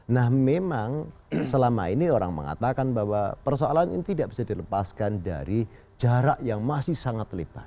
nah memang selama ini orang mengatakan bahwa persoalan ini tidak bisa dilepaskan dari jarak yang masih sangat lebar